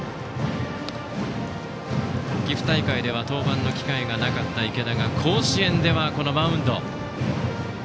岐阜大会では登板の機会がなかった池田が甲子園では、このマウンド。